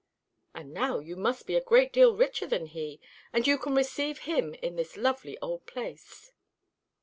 "And now you must be a great deal richer than he, and you can receive him in this lovely old place."